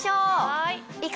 はい。